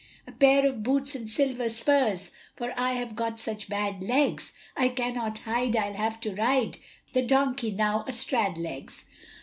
A pair of boots and silver spurs, For I have got such bad legs, I cannot hide I'll have to ride, The donkey now a strad legs.